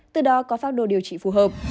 từ đó có pháp đồ điều trị phù hợp